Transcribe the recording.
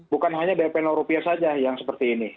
bukan hanya dp rupiah saja yang seperti ini